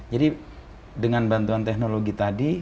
jadi dengan bantuan teknologi tadi